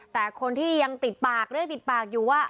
แต่คนที่ยังติดปากเรียกติดปากอยู่ว่า